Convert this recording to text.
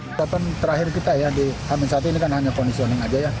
tetapan terakhir kita ya di hamin satu ini kan hanya conditioning aja ya